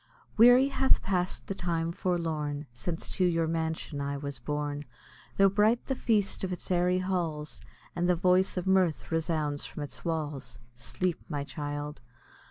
Weary hath pass'd the time forlorn, Since to your mansion I was borne, Tho' bright the feast of its airy halls, And the voice of mirth resounds from its walls. Sleep, my child!